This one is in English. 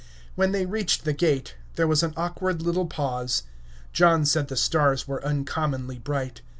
When they reached the gate, there was an awkward little pause. John said the stars were uncommonly bright.